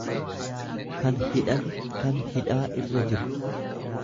kan hidhame, kan hidhaa irra jiru.